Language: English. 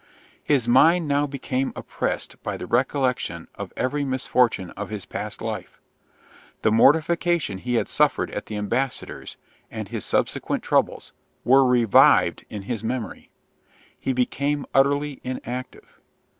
His mind now became oppressed by the recollection of every misfortune of his past life. The mortification he had suffered at the ambassador's, and his subsequent troubles, were revived in his memory. He became utterly inactive.